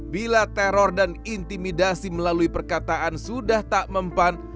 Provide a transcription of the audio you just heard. bila teror dan intimidasi melalui perkataan sudah tak mempan